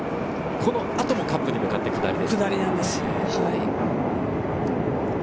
この後もカップに向かって下りです。